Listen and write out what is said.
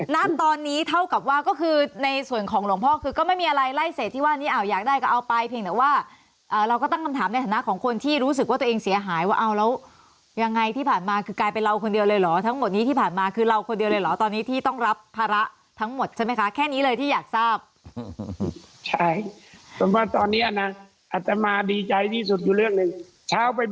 ณตอนนี้เท่ากับว่าก็คือในส่วนของหลวงพ่อคือก็ไม่มีอะไรไล่เศษที่ว่านี้อยากได้ก็เอาไปเพียงแต่ว่าเราก็ตั้งคำถามในฐานะของคนที่รู้สึกว่าตัวเองเสียหายว่าเอาแล้วยังไงที่ผ่านมาคือกลายเป็นเราคนเดียวเลยเหรอทั้งหมดนี้ที่ผ่านมาคือเราคนเดียวเลยเหรอตอนนี้ที่ต้องรับภาระทั้งหมดใช่ไหมคะแค่นี้เลยที่อยากทราบใช่แต่ว่าตอนนี้นะอัตมาดีใจที่สุดอยู่เรื่องหนึ่ง